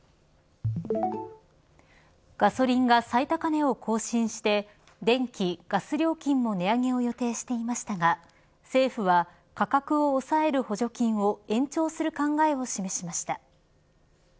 ガソリンが最高値を更新して電気・ガス料金の値上げを予定していましたが政府は、価格を抑える補助金を延長する考えを示しました。